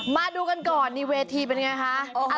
มาดูกันก่อนนี่เวทีเป็นไงคะ